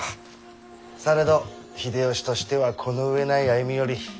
されど秀吉としてはこの上ない歩み寄り。